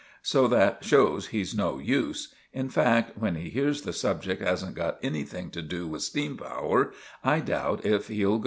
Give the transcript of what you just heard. So that shows he's no use. In fact, when he hears the subject hasn't got anything to do with steam power, I doubt if he'll go in."